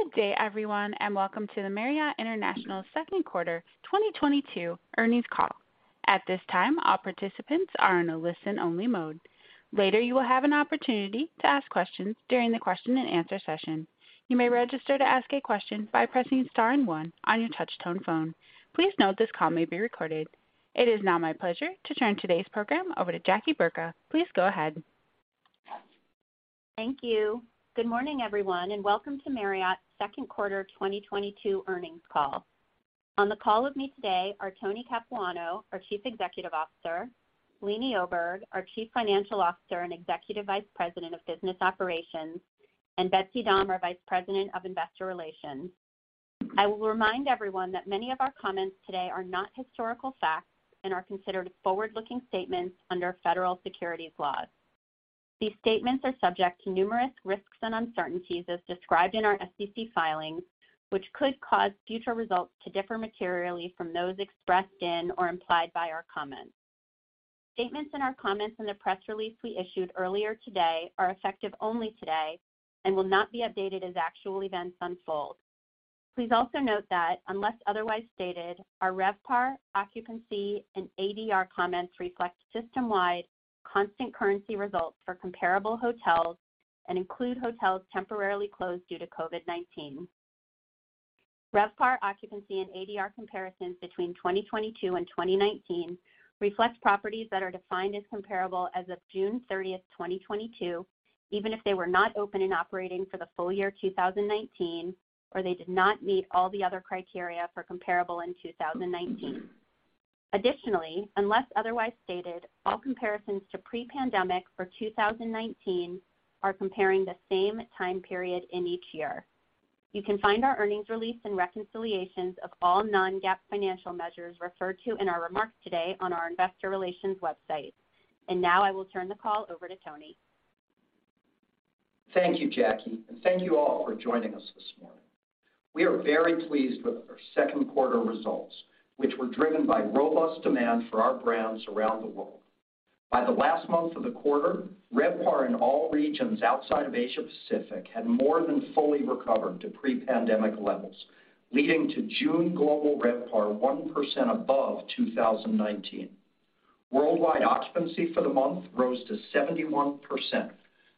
Good day, everyone, and welcome to the Marriott International Second Quarter 2022 Earnings Call. At this time, all participants are in a listen only mode. Later, you will have an opportunity to ask questions during the question and answer session. You may register to ask a question by pressing star and one on your touch tone phone. Please note this call may be recorded. It is now my pleasure to turn today's program over to Jackie Burka. Please go ahead. Thank you. Good morning, everyone, and welcome to Marriott's second quarter 2022 earnings call. On the call with me today are Tony Capuano, our Chief Executive Officer, Leeny Oberg, our Chief Financial Officer and Executive Vice President of Business Operations, and Betsy Dahm, our Vice President of Investor Relations. I will remind everyone that many of our comments today are not historical facts and are considered forward-looking statements under Federal Securities laws. These statements are subject to numerous risks and uncertainties as described in our SEC filings, which could cause future results to differ materially from those expressed in or implied by our comments. Statements in our comments in the press release we issued earlier today are effective only today and will not be updated as actual events unfold. Please also note that unless otherwise stated, our RevPAR, occupancy, and ADR comments reflect system-wide constant currency results for comparable hotels and include hotels temporarily closed due to COVID-19. RevPAR, occupancy, and ADR comparisons between 2022 and 2019 reflect properties that are defined as comparable as of June 30, 2022, even if they were not open and operating for the full year 2019 or they did not meet all the other criteria for comparable in 2019. Additionally, unless otherwise stated, all comparisons to pre-pandemic for 2019 are comparing the same time period in each year. You can find our earnings release and reconciliations of all non-GAAP financial measures referred to in our remarks today on our investor relations website. Now I will turn the call over to Tony. Thank you, Jackie, and thank you all for joining us this morning. We are very pleased with our second quarter results, which were driven by robust demand for our brands around the world. By the last month of the quarter, RevPAR in all regions outside of Asia Pacific had more than fully recovered to pre-pandemic levels, leading to June global RevPAR 1% above 2019. Worldwide occupancy for the month rose to 71%,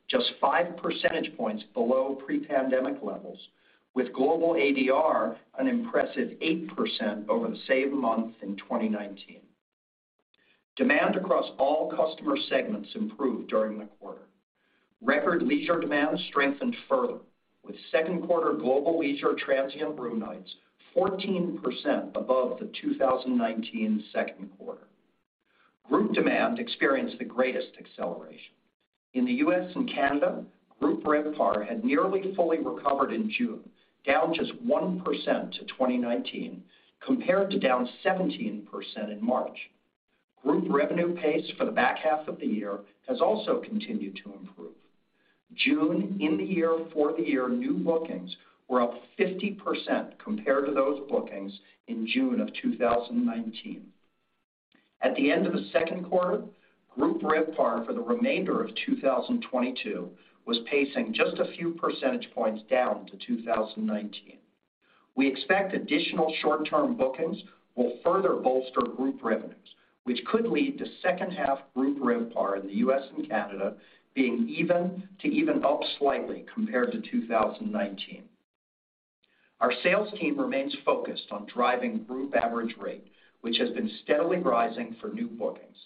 just 5 percentage points below pre-pandemic levels, with global ADR an impressive 8% over the same month in 2019. Demand across all customer segments improved during the quarter. Record leisure demand strengthened further with second quarter global leisure transient room nights 14% above the 2019 second quarter. Group demand experienced the greatest acceleration. In the U.S. and Canada, group RevPAR had nearly fully recovered in June, down just 1% to 2019, compared to down 17% in March. Group revenue pace for the back half of the year has also continued to improve. June year-over-year, for the year new bookings were up 50% compared to those bookings in June of 2019. At the end of the second quarter, group RevPAR for the remainder of 2022 was pacing just a few percentage points down to 2019. We expect additional short-term bookings will further bolster group revenues, which could lead to second half group RevPAR in the U.S. and Canada being even to even up slightly compared to 2019. Our sales team remains focused on driving group average rate, which has been steadily rising for new bookings.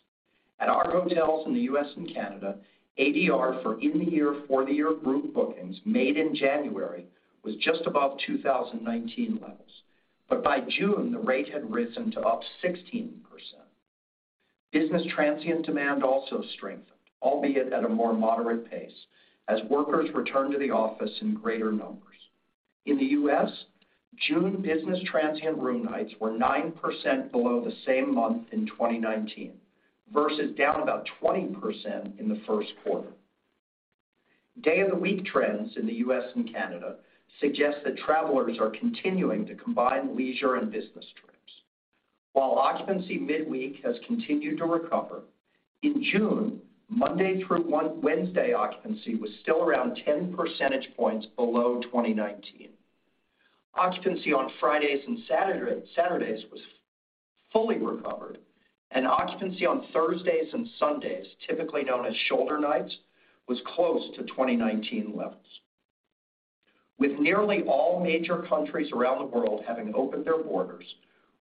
At our hotels in the U.S. and Canada, ADR for the year group bookings made in January was just above 2019 levels. By June, the rate had risen to up 16%. Business transient demand also strengthened, albeit at a more moderate pace as workers returned to the office in greater numbers. In the U.S., June business transient room nights were 9% below the same month in 2019, versus down about 20% in the first quarter. Day of the week trends in the U.S. and Canada suggest that travelers are continuing to combine leisure and business trips. While occupancy midweek has continued to recover, in June, Monday through Wednesday occupancy was still around 10 percentage points below 2019. Occupancy on Fridays and Saturdays was fully recovered, and occupancy on Thursdays and Sundays, typically known as shoulder nights, was close to 2019 levels. With nearly all major countries around the world having opened their borders,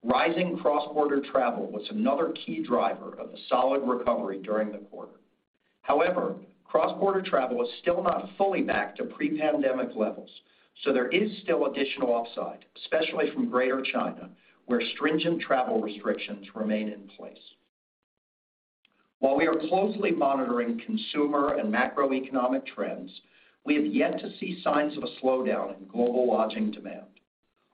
rising cross-border travel was another key driver of a solid recovery during the quarter. However, cross-border travel is still not fully back to pre-pandemic levels, so there is still additional upside, especially from Greater China, where stringent travel restrictions remain in place. While we are closely monitoring consumer and macroeconomic trends, we have yet to see signs of a slowdown in global lodging demand.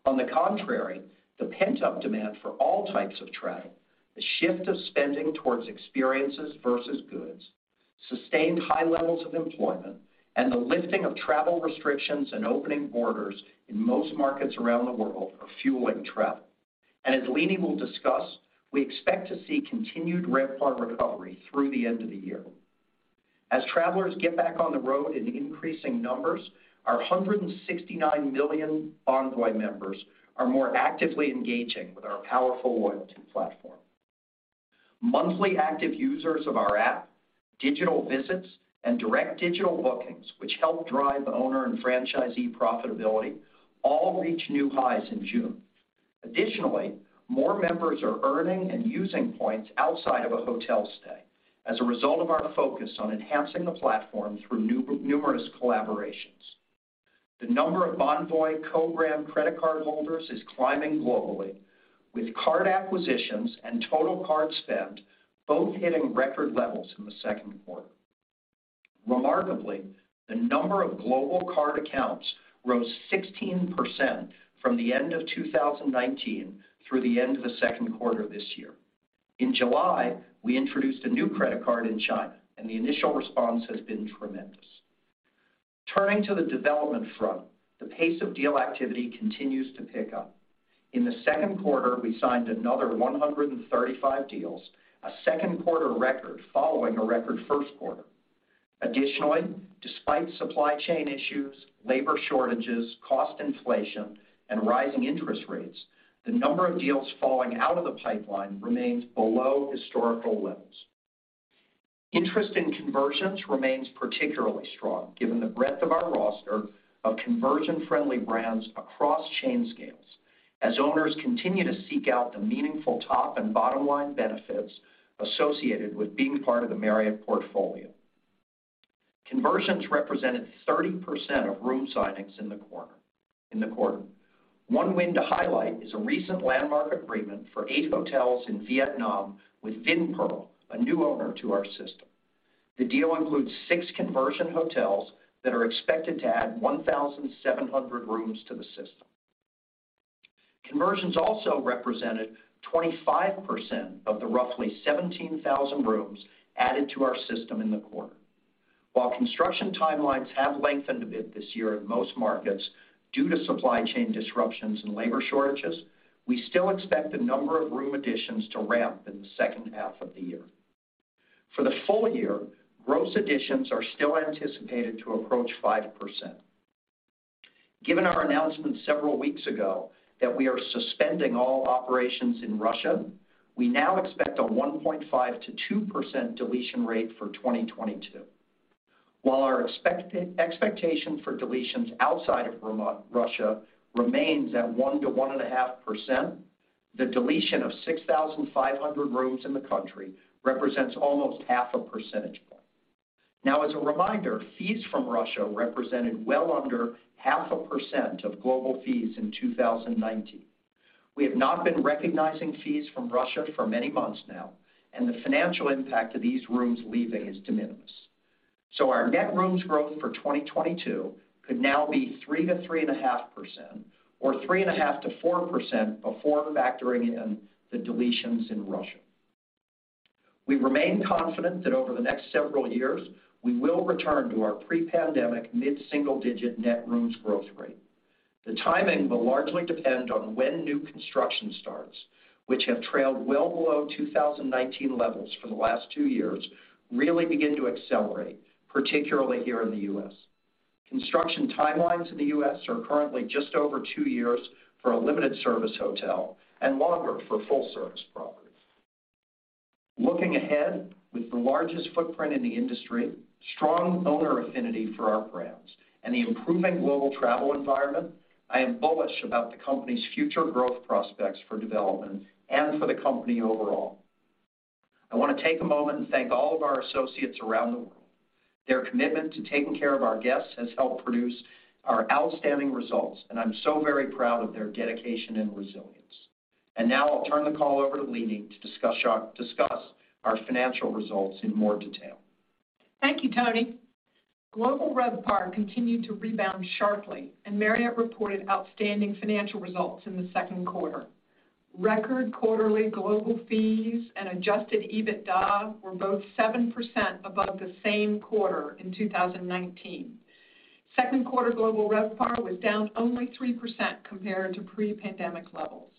On the contrary, the pent-up demand for all types of travel, the shift of spending towards experiences versus goods, sustained high levels of employment, and the lifting of travel restrictions and opening borders in most markets around the world are fueling travel. As Leeny Oberg will discuss, we expect to see continued RevPAR recovery through the end of the year. As travelers get back on the road in increasing numbers, our 169 million Bonvoy members are more actively engaging with our powerful loyalty platform. Monthly active users of our app, digital visits, and direct digital bookings, which help drive owner and franchisee profitability, all reached new highs in June. Additionally, more members are earning and using points outside of a hotel stay as a result of our focus on enhancing the platform through numerous collaborations. The number of Bonvoy co-brand credit card holders is climbing globally, with card acquisitions and total card spend both hitting record levels in the second quarter. Remarkably, the number of global card accounts rose 16% from the end of 2019 through the end of the second quarter this year. In July, we introduced a new credit card in China, and the initial response has been tremendous. Turning to the development front, the pace of deal activity continues to pick up. In the second quarter, we signed another 135 deals, a second quarter record following a record first quarter. Additionally, despite supply chain issues, labor shortages, cost inflation, and rising interest rates, the number of deals falling out of the pipeline remains below historical levels. Interest in conversions remains particularly strong given the breadth of our roster of conversion-friendly brands across chain scales as owners continue to seek out the meaningful top and bottom-line benefits associated with being part of the Marriott portfolio. Conversions represented 30% of room signings in the quarter. One win to highlight is a recent landmark agreement for eight hotels in Vietnam with Vinpearl, a new owner to our system. The deal includes six conversion hotels that are expected to add 1,700 rooms to the system. Conversions also represented 25% of the roughly 17,000 rooms added to our system in the quarter. While construction timelines have lengthened a bit this year in most markets due to supply chain disruptions and labor shortages, we still expect the number of room additions to ramp in the second half of the year. For the full year, gross additions are still anticipated to approach 5%. Given our announcement several weeks ago that we are suspending all operations in Russia, we now expect a 1.5%-2% deletion rate for 2022. While our expectation for deletions outside of Russia remains at 1-1.5%, the deletion of 6,500 rooms in the country represents almost half a percentage point. Now, as a reminder, fees from Russia represented well under 0.5% of global fees in 2019. We have not been recognizing fees from Russia for many months now, and the financial impact of these rooms leaving is de minimis. Our net rooms growth for 2022 could now be 3%-3.5% or 3.5%-4% before factoring in the deletions in Russia. We remain confident that over the next several years, we will return to our pre-pandemic mid-single-digit net rooms growth rate. The timing will largely depend on when new construction starts, which have trailed well below 2019 levels for the last 2 years, really begin to accelerate, particularly here in the U.S. Construction timelines in the U.S. are currently just over 2 years for a limited service hotel and longer for full service properties. Looking ahead, with the largest footprint in the industry, strong owner affinity for our brands, and the improving global travel environment, I am bullish about the company's future growth prospects for development and for the company overall. I want to take a moment and thank all of our associates around the world. Their commitment to taking care of our guests has helped produce our outstanding results, and I'm so very proud of their dedication and resilience. Now I'll turn the call over to Leeny Oberg to discuss our financial results in more detail. Thank you, Tony. Global RevPAR continued to rebound sharply, and Marriott reported outstanding financial results in the second quarter. Record quarterly global fees and adjusted EBITDA were both 7% above the same quarter in 2019. Second quarter global RevPAR was down only 3% compared to pre-pandemic levels.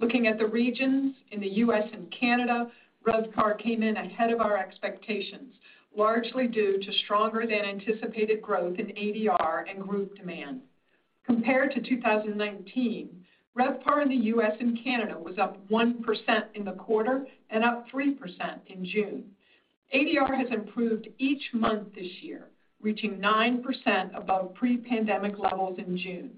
Looking at the regions in the U.S. and Canada, RevPAR came in ahead of our expectations, largely due to stronger than anticipated growth in ADR and group demand. Compared to 2019, RevPAR in the U.S. and Canada was up 1% in the quarter and up 3% in June. ADR has improved each month this year, reaching 9% above pre-pandemic levels in June.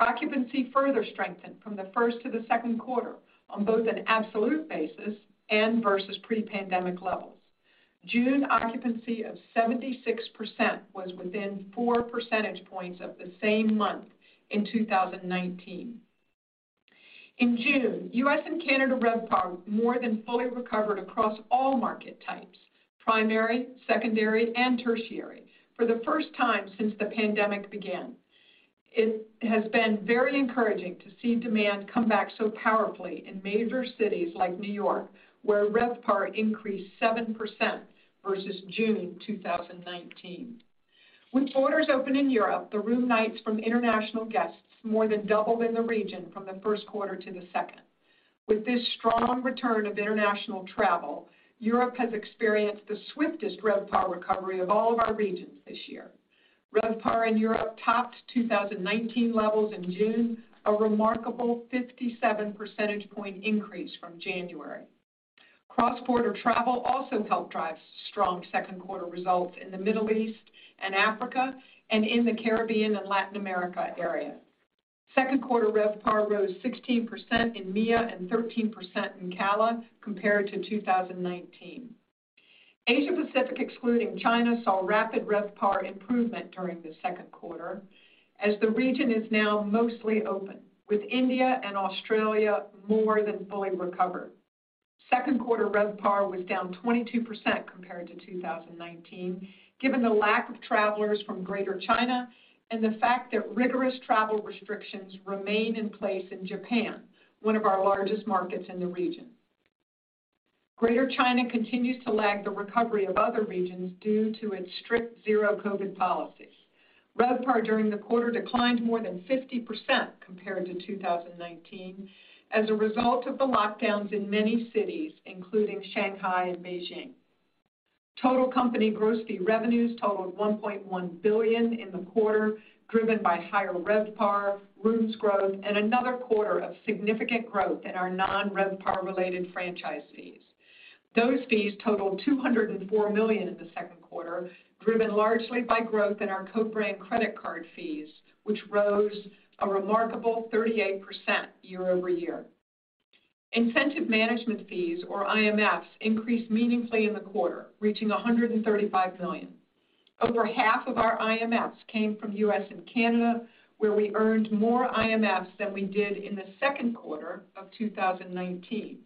Occupancy further strengthened from the first to the second quarter on both an absolute basis and versus pre-pandemic levels. June occupancy of 76% was within 4 percentage points of the same month in 2019. In June, U.S. and Canada RevPAR more than fully recovered across all market types, primary, secondary, and tertiary, for the first time since the pandemic began. It has been very encouraging to see demand come back so powerfully in major cities like New York, where RevPAR increased 7% versus June 2019. With borders open in Europe, the room nights from international guests more than doubled in the region from the first quarter to the second. With this strong return of international travel, Europe has experienced the swiftest RevPAR recovery of all of our regions this year. RevPAR in Europe topped 2019 levels in June, a remarkable 57 percentage point increase from January. Cross-border travel also helped drive strong second quarter results in the Middle East and Africa and in the Caribbean and Latin America area. Second quarter RevPAR rose 16% in MEA and 13% in CALA compared to 2019. Asia Pacific, excluding China, saw rapid RevPAR improvement during the second quarter as the region is now mostly open, with India and Australia more than fully recovered. Second quarter RevPAR was down 22% compared to 2019, given the lack of travelers from Greater China and the fact that rigorous travel restrictions remain in place in Japan, one of our largest markets in the region. Greater China continues to lag the recovery of other regions due to its strict Zero-COVID policies. RevPAR during the quarter declined more than 50% compared to 2019 as a result of the lockdowns in many cities, including Shanghai and Beijing. Total company gross fee revenues totaled $1.1 billion in the quarter, driven by higher RevPAR, rooms growth, and another quarter of significant growth in our non-RevPAR related franchise fees. Those fees totaled $204 million in the second quarter, driven largely by growth in our co-brand credit card fees, which rose a remarkable 38% year-over-year. Incentive management fees, or IMFs, increased meaningfully in the quarter, reaching $135 million. Over half of our IMFs came from U.S. and Canada, where we earned more IMFs than we did in the second quarter of 2019.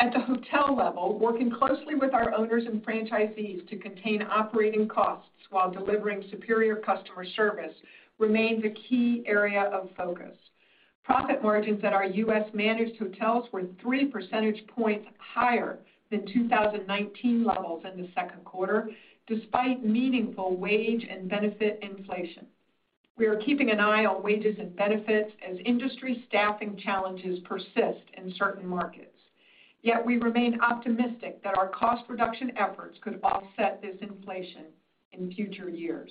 At the hotel level, working closely with our owners and franchisees to contain operating costs while delivering superior customer service remains a key area of focus. Profit margins at our U.S. managed hotels were 3 percentage points higher than 2019 levels in the second quarter, despite meaningful wage and benefit inflation. We are keeping an eye on wages and benefits as industry staffing challenges persist in certain markets. Yet we remain optimistic that our cost reduction efforts could offset this inflation in future years.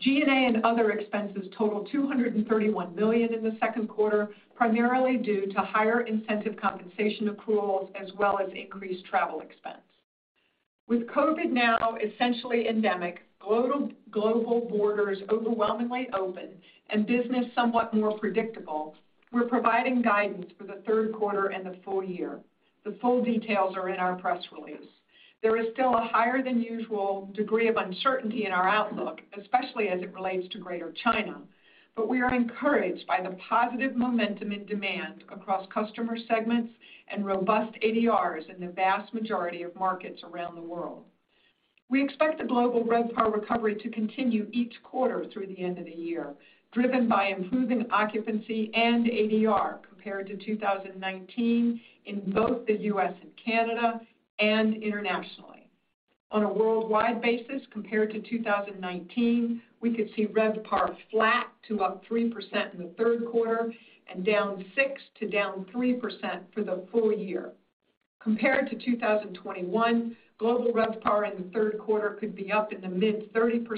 G&A and other expenses totaled $231 million in the second quarter, primarily due to higher incentive compensation accruals as well as increased travel expense. With COVID now essentially endemic, global borders overwhelmingly open and business somewhat more predictable, we're providing guidance for the third quarter and the full year. The full details are in our press release. There is still a higher than usual degree of uncertainty in our outlook, especially as it relates to Greater China. We are encouraged by the positive momentum in demand across customer segments and robust ADRs in the vast majority of markets around the world. We expect the global RevPAR recovery to continue each quarter through the end of the year, driven by improving occupancy and ADR compared to 2019 in both the U.S. and Canada and internationally. On a worldwide basis, compared to 2019, we could see RevPAR flat to up 3% in the third quarter and down 6% to down 3% for the full year. Compared to 2021, global RevPAR in the third quarter could be up in the mid-30%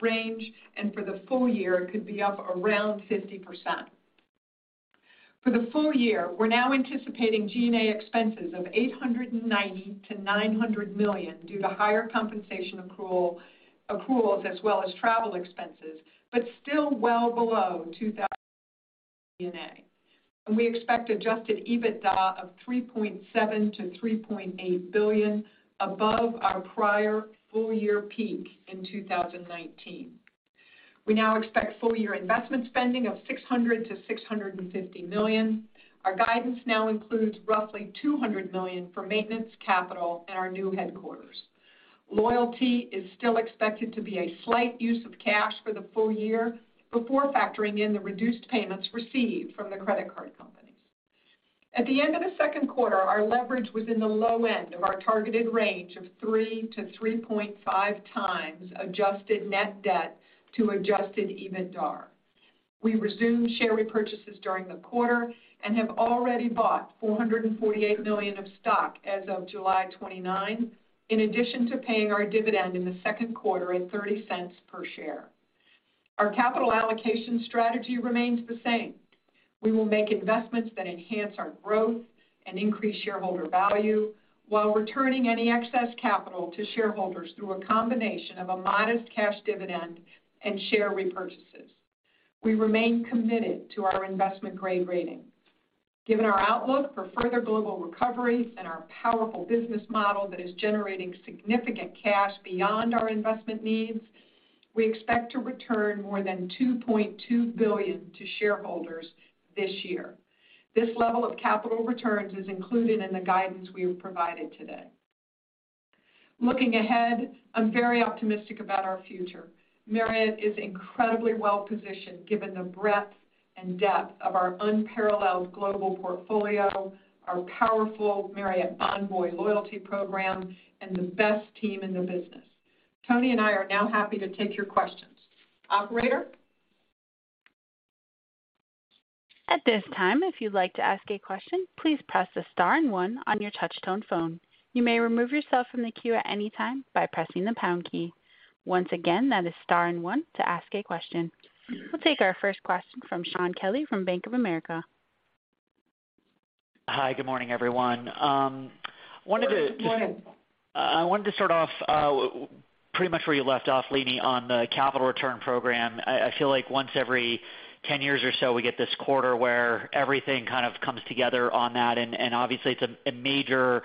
range, and for the full year, it could be up around 50%. For the full year, we're now anticipating G&A expenses of $890 million-$900 million due to higher compensation accrual, accruals as well as travel expenses, but still well below $2,000 million G&A. We expect adjusted EBITDA of $3.7 billion-$3.8 billion above our prior full year peak in 2019. We now expect full year investment spending of $600 million-$650 million. Our guidance now includes roughly $200 million for maintenance, capital, and our new headquarters. Loyalty is still expected to be a slight use of cash for the full year before factoring in the reduced payments received from the credit card companies. At the end of the second quarter, our leverage was in the low end of our targeted range of 3-3.5 times adjusted net debt to adjusted EBITDAR. We resumed share repurchases during the quarter and have already bought $448 million of stock as of July 29, in addition to paying our dividend in the second quarter at $0.30 per share. Our capital allocation strategy remains the same. We will make investments that enhance our growth and increase shareholder value while returning any excess capital to shareholders through a combination of a modest cash dividend and share repurchases. We remain committed to our investment grade rating. Given our outlook for further global recovery and our powerful business model that is generating significant cash beyond our investment needs, we expect to return more than $2.2 billion to shareholders this year. This level of capital returns is included in the guidance we have provided today. Looking ahead, I'm very optimistic about our future. Marriott is incredibly well-positioned given the breadth and depth of our unparalleled global portfolio, our powerful Marriott Bonvoy loyalty program, and the best team in the business. Tony and I are now happy to take your questions. Operator? At this time, if you'd like to ask a question, please press star and one on your touchtone phone. You may remove yourself from the queue at any time by pressing the pound key. Once again, that is star and one to ask a question. We'll take our first question from Shaun Kelley from Bank of America. Hi, good morning, everyone. Good morning. I wanted to start off pretty much where you left off, Leeny Oberg, on the capital return program. I feel like once every 10 years or so we get this quarter where everything kind of comes together on that, and obviously it's a major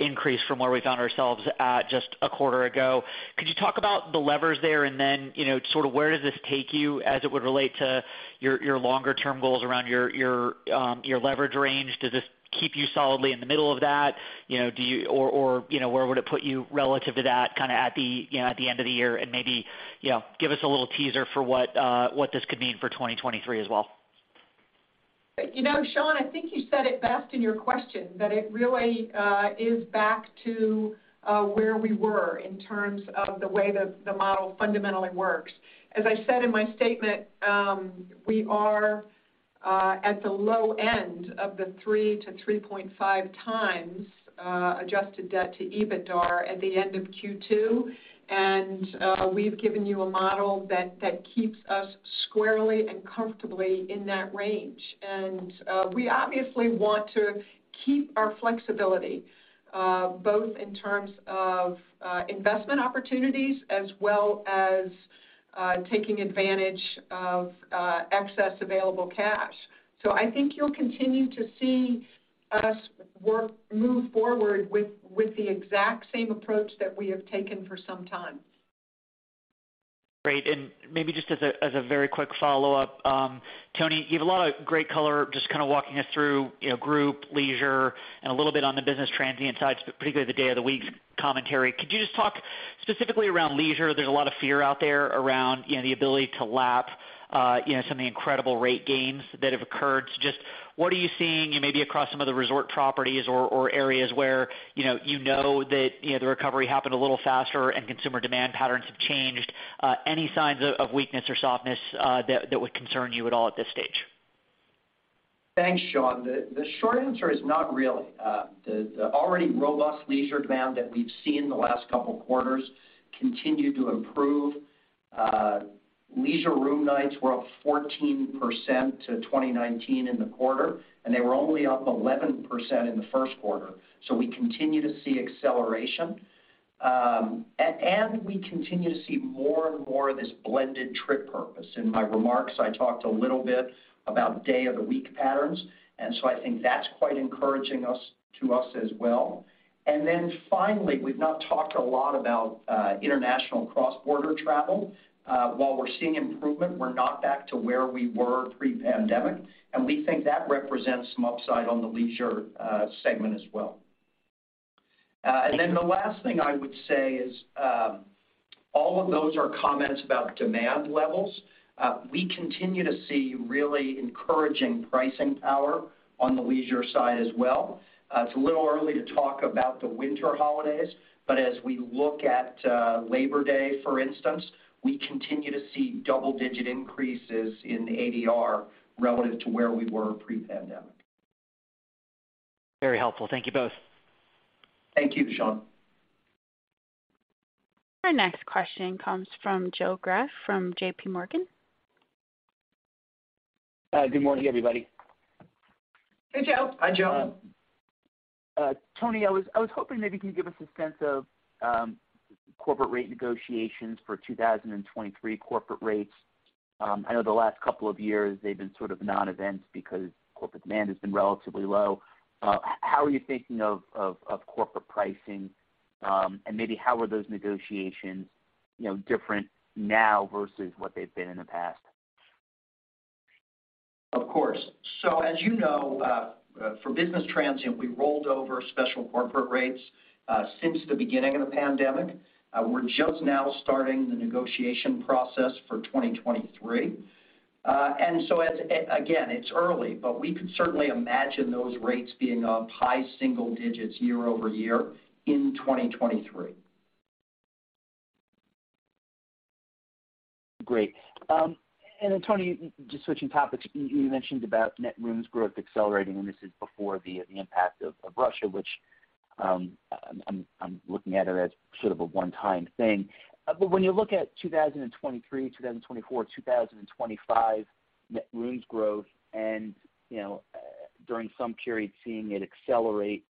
increase from where we found ourselves at just a quarter ago. Could you talk about the levers there, and then, you know, sort of where does this take you as it would relate to your longer term goals around your leverage range? Does this keep you solidly in the middle of that? You know, do you or, you know, where would it put you relative to that kinda at the, you know, at the end of the year? Maybe, you know, give us a little teaser for what this could mean for 2023 as well. You know, Shaun, I think you said it best in your question, that it really is back to where we were in terms of the way the model fundamentally works. As I said in my statement, we are at the low end of the 3-3.5 times adjusted debt to EBITDAR at the end of Q2. We've given you a model that keeps us squarely and comfortably in that range. We obviously want to keep our flexibility both in terms of investment opportunities as well as taking advantage of excess available cash. I think you'll continue to see us move forward with the exact same approach that we have taken for some time. Great. Maybe just a very quick follow-up. Tony, you have a lot of great color just kind of walking us through, you know, group, leisure, and a little bit on the business transient side, but particularly the day of the week commentary. Could you just talk specifically around leisure? There's a lot of fear out there around, you know, the ability to lap, you know, some of the incredible rate gains that have occurred. Just what are you seeing maybe across some of the resort properties or areas where, you know, the recovery happened a little faster and consumer demand patterns have changed? Any signs of weakness or softness that would concern you at all at this stage? Thanks, Shaun. The short answer is not really. The already robust leisure demand that we've seen the last couple quarters continue to improve. Leisure room nights were up 14% to 2019 in the quarter, and they were only up 11% in the first quarter. We continue to see acceleration. And we continue to see more and more of this blended trip purpose. In my remarks, I talked a little bit about day of the week patterns, and so I think that's quite encouraging to us as well. Then finally, we've not talked a lot about international cross-border travel. While we're seeing improvement, we're not back to where we were pre-pandemic, and we think that represents some upside on the leisure segment as well. The last thing I would say is all of those are comments about demand levels. We continue to see really encouraging pricing power on the leisure side as well. It's a little early to talk about the winter holidays, but as we look at Labor Day, for instance, we continue to see double-digit increases in ADR relative to where we were pre-pandemic. Very helpful. Thank you both. Thank you, Shaun. Our next question comes from Joe Greff from J.P. Morgan. Good morning, everybody. Hey, Joe. Hi, Joe. Tony, I was hoping maybe you can give us a sense of corporate rate negotiations for 2023 corporate rates. I know the last couple of years they've been sort of non-events because corporate demand has been relatively low. How are you thinking of corporate pricing? And maybe how are those negotiations, you know, different now versus what they've been in the past? Of course. As you know, for business transient, we rolled over special corporate rates since the beginning of the pandemic. We're just now starting the negotiation process for 2023. Again, it's early, but we could certainly imagine those rates being up high single digits year-over-year in 2023. Great. Then Tony, just switching topics, you mentioned about net rooms growth accelerating, and this is before the impact of Russia, which I'm looking at it as sort of a one-time thing. When you look at 2023, 2024, 2025 net rooms growth and, you know, during some period seeing it accelerate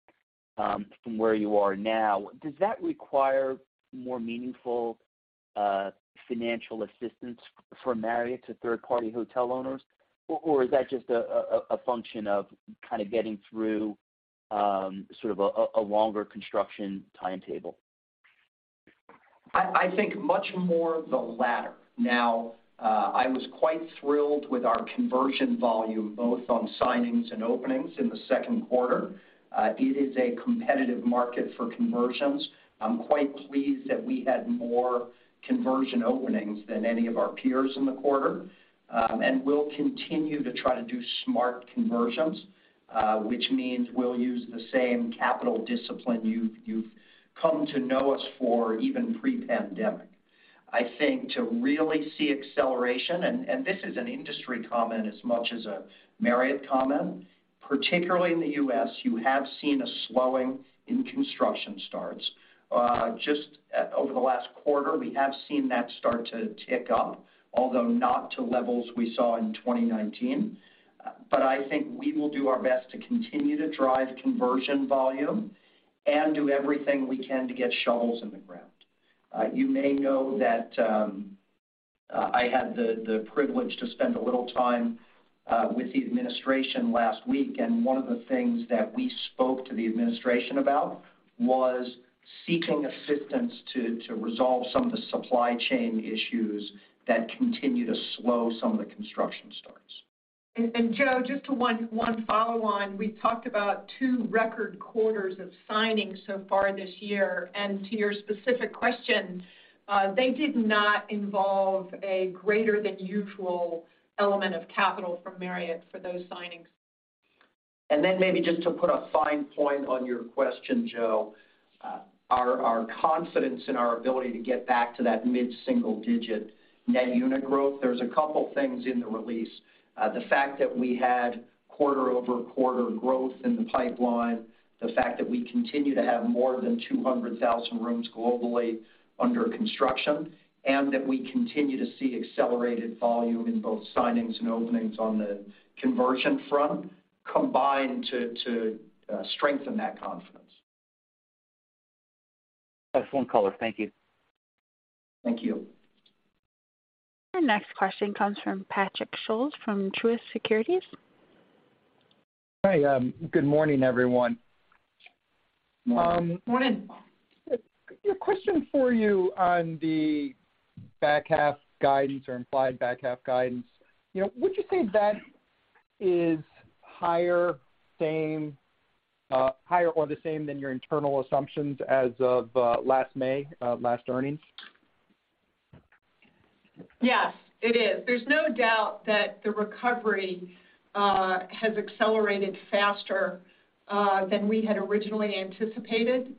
from where you are now, does that require more meaningful financial assistance for Marriott to third party hotel owners? Or is that just a function of kind of getting through sort of a longer construction timetable? I think much more the latter. Now, I was quite thrilled with our conversion volume, both on signings and openings in the second quarter. It is a competitive market for conversions. I'm quite pleased that we had more conversion openings than any of our peers in the quarter. We'll continue to try to do smart conversions, which means we'll use the same capital discipline you've come to know us for even pre-pandemic. I think to really see acceleration, and this is an industry comment as much as a Marriott comment, particularly in the U.S., you have seen a slowing in construction starts. Just over the last quarter, we have seen that start to tick up, although not to levels we saw in 2019. I think we will do our best to continue to drive conversion volume and do everything we can to get shovels in the ground. You may know that I had the privilege to spend a little time with the administration last week, and one of the things that we spoke to the administration about was seeking assistance to resolve some of the supply chain issues that continue to slow some of the construction starts. Joe, just to one follow on. We talked about two record quarters of signing so far this year. To your specific question, they did not involve a greater than usual element of capital from Marriott for those signings. Then maybe just to put a fine point on your question, Joe, our confidence in our ability to get back to that mid-single digit net unit growth, there's a couple things in the release. The fact that we had quarter-over-quarter growth in the pipeline, the fact that we continue to have more than 200,000 rooms globally under construction, and that we continue to see accelerated volume in both signings and openings on the conversion front combine to strengthen that confidence. That's one caller. Thank you. Thank you. Our next question comes from Patrick Scholes from Truist Securities. Hi. Good morning, everyone. Morning. Morning. A question for you on the back half guidance or implied back half guidance. You know, would you say that is higher, same, higher or the same than your internal assumptions as of last May, last earnings? Yes, it is. There's no doubt that the recovery has accelerated faster than we had originally anticipated.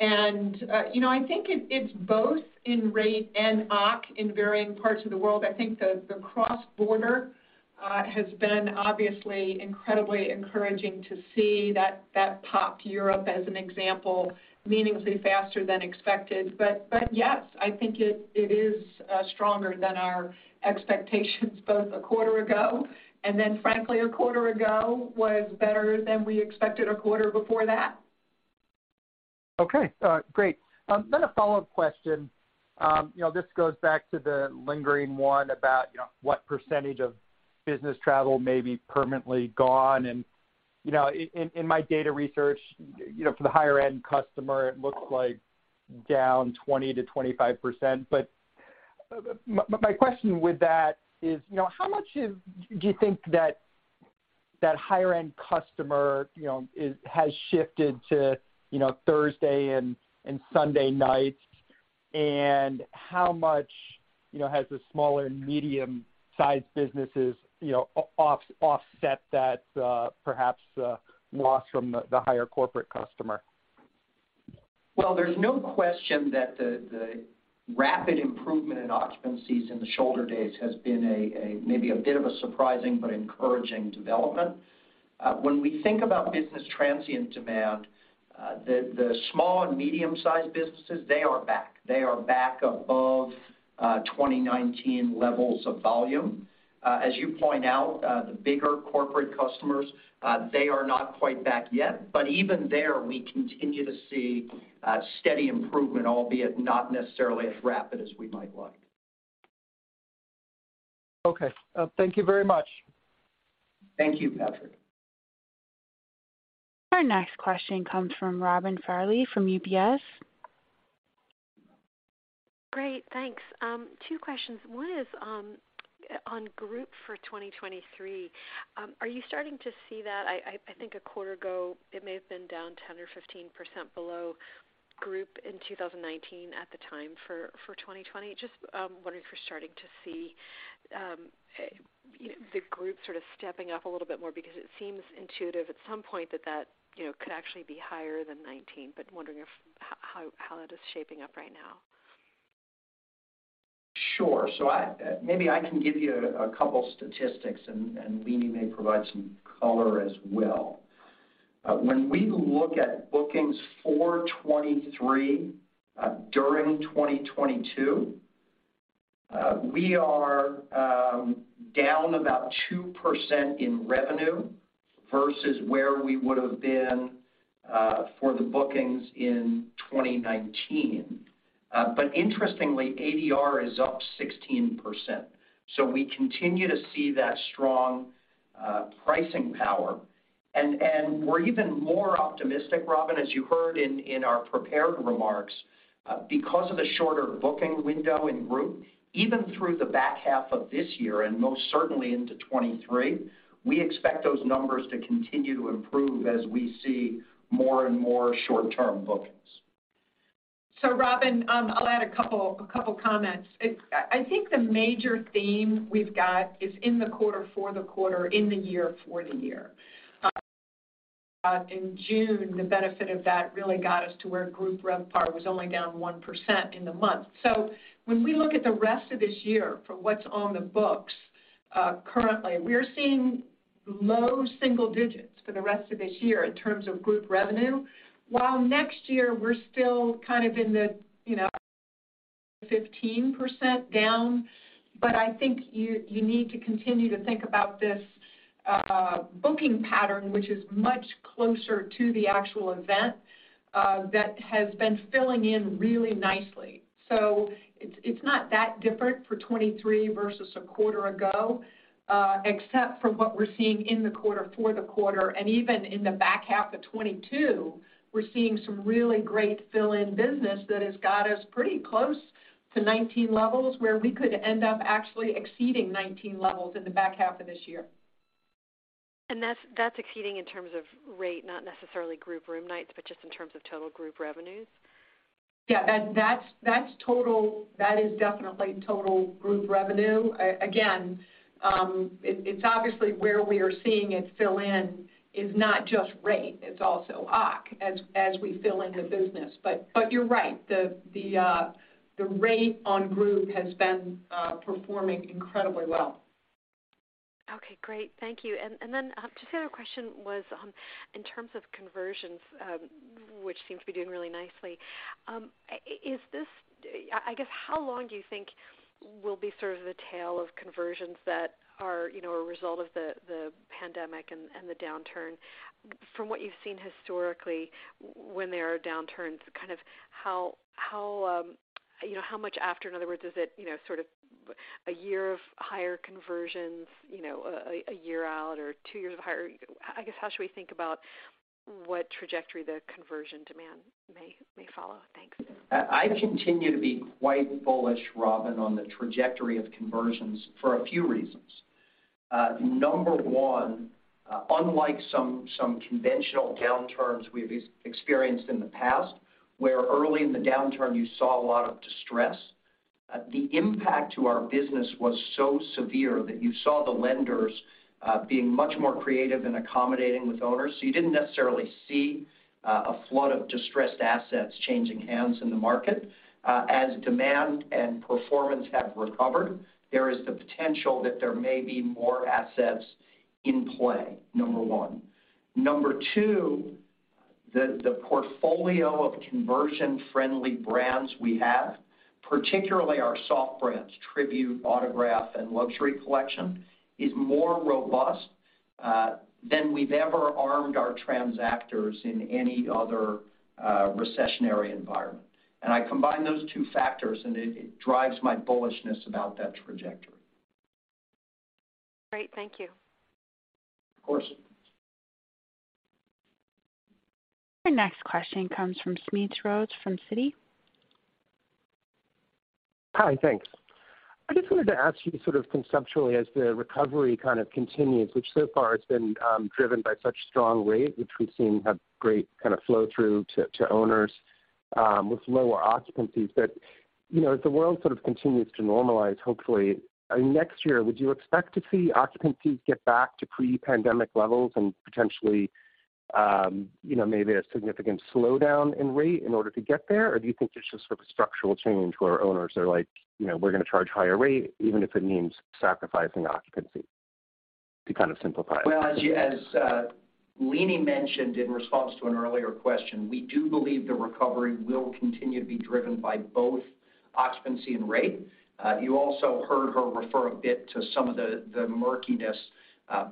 You know, I think it's both in rate and OCC in varying parts of the world. I think the cross-border has been obviously incredibly encouraging to see that pop in Europe as an example, meaningfully faster than expected. Yes, I think it is stronger than our expectations both a quarter ago, and then frankly a quarter ago was better than we expected a quarter before that. Okay. Great. A follow-up question. You know, this goes back to the lingering one about, you know, what percentage of business travel may be permanently gone. You know, in my data research, you know, for the higher end customer, it looks like down 20-25%. My question with that is, you know, how much do you think that higher end customer, you know, has shifted to, you know, Thursday and Sunday nights? And how much, you know, has the small- and medium-sized businesses, you know, offset that, perhaps, loss from the higher corporate customer? Well, there's no question that the rapid improvement in occupancies in the shoulder days has been a maybe a bit of a surprising but encouraging development. When we think about business transient demand, the small and medium-sized businesses, they are back. They are back above 2019 levels of volume. As you point out, the bigger corporate customers, they are not quite back yet. Even there, we continue to see steady improvement, albeit not necessarily as rapid as we might like. Okay. Thank you very much. Thank you, Patrick. Our next question comes from Robin Farley from UBS. Great. Thanks. Two questions. One is on group for 2023. Are you starting to see that? I think a quarter ago it may have been down 10 or 15% below group in 2019 at the time for 2020. Just wondering if you're starting to see you know the group sort of stepping up a little bit more because it seems intuitive at some point that that you know could actually be higher than 2019, but wondering if how that is shaping up right now. Sure. I maybe can give you a couple statistics and Leeny Oberg may provide some color as well. When we look at bookings for 2023, during 2022, we are down about 2% in revenue versus where we would have been for the bookings in 2019. Interestingly, ADR is up 16%. We continue to see that strong pricing power. We're even more optimistic, Robin, as you heard in our prepared remarks, because of the shorter booking window in group, even through the back half of this year, and most certainly into 2023, we expect those numbers to continue to improve as we see more and more short-term bookings. Robin, I'll add a couple of comments. I think the major theme we've got is in the quarter, for the quarter, in the year, for the year. In June, the benefit of that really got us to where group RevPAR was only down 1% in the month. When we look at the rest of this year for what's on the books, currently, we're seeing low single digits for the rest of this year in terms of group revenue, while next year we're still kind of in the, you know, 15% down. I think you need to continue to think about this booking pattern, which is much closer to the actual event, that has been filling in really nicely. It's not that different for 2023 versus a quarter ago, except for what we're seeing in the quarter, and even in the back half of 2022, we're seeing some really great fill-in business that has got us pretty close to 19 levels where we could end up actually exceeding 19 levels in the back half of this year. That's exceeding in terms of rate, not necessarily group room nights, but just in terms of total group revenues? Yeah. That is definitely total group revenue. Again, it's obviously where we are seeing it fill in is not just rate, it's also OCC as we fill in the business. But you're right, the rate on group has been performing incredibly well. Okay, great. Thank you. Just the other question was, in terms of conversions, which seem to be doing really nicely. Is this? I guess, how long do you think will be sort of the tail of conversions that are, you know, a result of the pandemic and the downturn? From what you've seen historically, when there are downturns, kind of how, you know, how much after, in other words, is it, you know, sort of a year of higher conversions, a year out or two years of higher? I guess, how should we think about what trajectory the conversion demand may follow? Thanks. I continue to be quite bullish, Robin, on the trajectory of conversions for a few reasons. Number one, unlike some conventional downturns we've experienced in the past, where early in the downturn you saw a lot of distress, the impact to our business was so severe that you saw the lenders being much more creative and accommodating with owners. So you didn't necessarily see a flood of distressed assets changing hands in the market. As demand and performance have recovered, there is the potential that there may be more assets in play, number one. Number two, the portfolio of conversion-friendly brands we have, particularly our soft brands, Tribute, Autograph, and Luxury Collection, is more robust than we've ever armed our transactors in any other recessionary environment. I combine those two factors, and it drives my bullishness about that trajectory. Great. Thank you. Of course. Your next question comes from Smedes Rose from Citi. Hi, thanks. I just wanted to ask you sort of conceptually as the recovery kind of continues, which so far has been driven by such strong rate, which we've seen have great kind of flow through to owners, with lower occupancies. You know, as the world sort of continues to normalize, hopefully next year, would you expect to see occupancies get back to pre-pandemic levels and potentially, you know, maybe a significant slowdown in rate in order to get there? Or do you think it's just sort of a structural change where owners are like, "You know, we're going to charge higher rate, even if it means sacrificing occupancy," to kind of simplify it? Well, as Leeny Oberg mentioned in response to an earlier question, we do believe the recovery will continue to be driven by both occupancy and rate. You also heard her refer a bit to some of the murkiness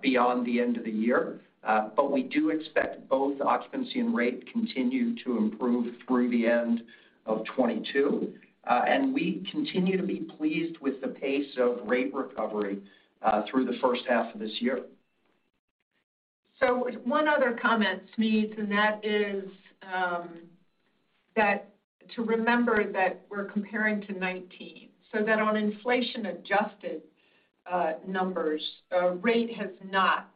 beyond the end of the year. We do expect both occupancy and rate continue to improve through the end of 2022, and we continue to be pleased with the pace of rate recovery through the first half of this year. One other comment, Smedes, and that is, that to remember that we're comparing to 2019, so that on inflation-adjusted numbers, rate has not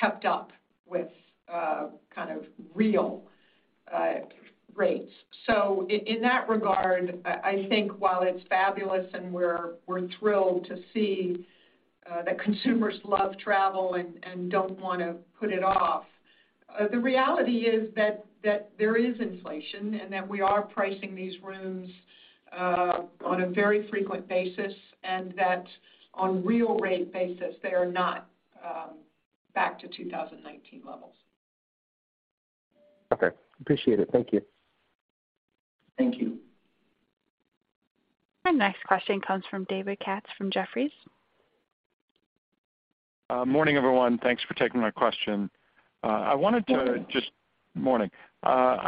kept up with kind of real rates. In that regard, I think while it's fabulous and we're thrilled to see that consumers love travel and don't wanna put it off, the reality is that there is inflation and that we are pricing these rooms on a very frequent basis, and that on real rate basis, they are not back to 2019 levels. Okay, appreciate it. Thank you. Thank you. Our next question comes from David Katz from Jefferies. Morning, everyone. Thanks for taking my question. I wanted to just- Morning. Morning.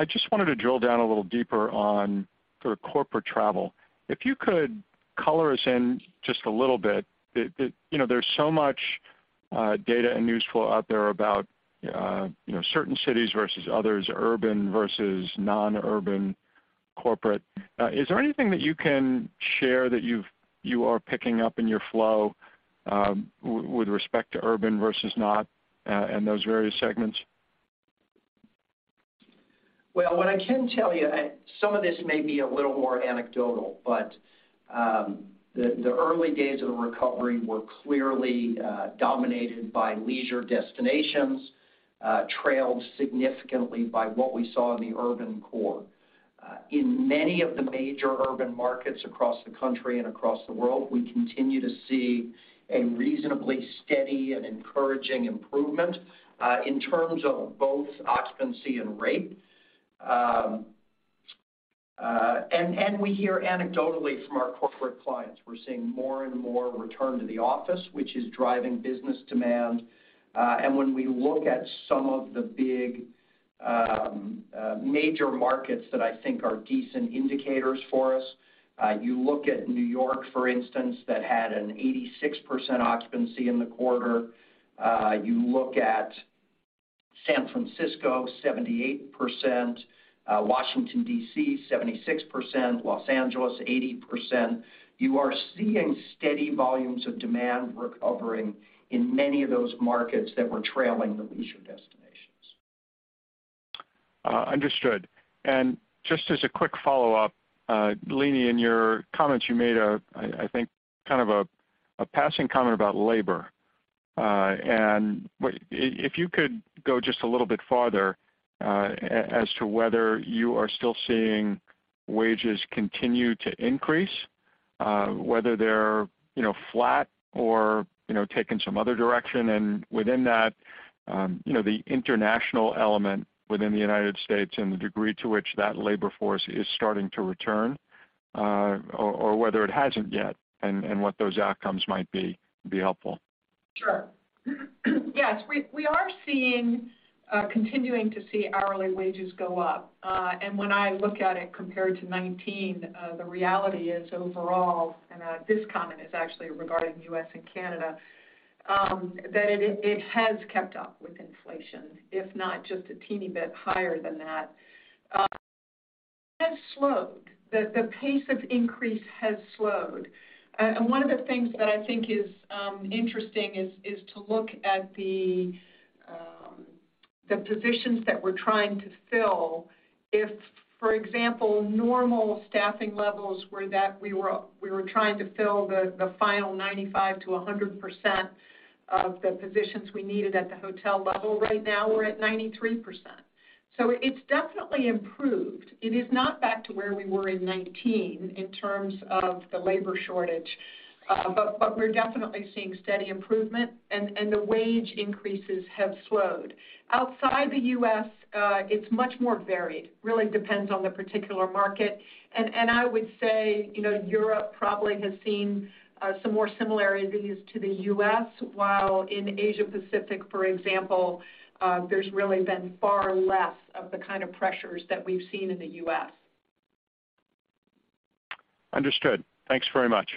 I just wanted to drill down a little deeper on the corporate travel. If you could color us in just a little bit, you know, there's so much data and news flow out there about, you know, certain cities versus others, urban versus non-urban corporate. Is there anything that you can share that you are picking up in your flow, with respect to urban versus not, and those various segments? Well, what I can tell you, some of this may be a little more anecdotal, but the early days of the recovery were clearly dominated by leisure destinations, trailed significantly by what we saw in the urban core. In many of the major urban markets across the country and across the world, we continue to see a reasonably steady and encouraging improvement in terms of both occupancy and rate. We hear anecdotally from our corporate clients, we're seeing more and more return to the office, which is driving business demand. When we look at some of the big major markets that I think are decent indicators for us, you look at New York, for instance, that had an 86% occupancy in the quarter. You look at San Francisco, 78%, Washington, D.C., 76%, Los Angeles, 80%. You are seeing steady volumes of demand recovering in many of those markets that were trailing the leisure destinations. Understood. Just as a quick follow-up, Leeny Oberg, in your comments, you made, I think, kind of a passing comment about labor. If you could go just a little bit farther, as to whether you are still seeing wages continue to increase, whether they're, you know, flat or, you know, taking some other direction. Within that, you know, the international element within the United States and the degree to which that labor force is starting to return, or whether it hasn't yet and what those outcomes might be, would be helpful. Sure. Yes. We are seeing continuing to see hourly wages go up. When I look at it compared to nineteen, the reality is overall, this comment is actually regarding U.S. and Canada, that it has kept up with inflation, if not just a teeny bit higher than that. It has slowed. The pace of increase has slowed. One of the things that I think is interesting is to look at the positions that we're trying to fill. For example, normal staffing levels were that we were trying to fill the final 95%-100% of the positions we needed at the hotel level, right now we're at 93%. It's definitely improved. It is not back to where we were in 2019 in terms of the labor shortage, but we're definitely seeing steady improvement and the wage increases have slowed. Outside the U.S., it's much more varied, really depends on the particular market. I would say, you know, Europe probably has seen some more similarities to the U.S., while in Asia Pacific, for example, there's really been far less of the kind of pressures that we've seen in the U.S. Understood. Thanks very much.